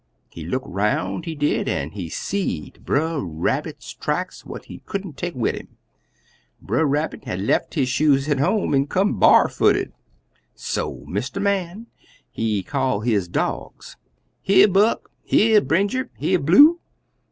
He look 'roun', he did, an' he seed Brer Rabbit's tracks what he couldn't take wid 'im. Brer Rabbit had lef' his shoes at home, an' come bar'footed. "So Mr. Man, he call his dogs 'Here, Buck! Here, Brinjer! Here, Blue!'